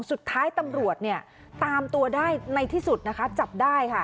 สุดท้ายตำรวจเนี่ยตามตัวได้ในที่สุดนะคะจับได้ค่ะ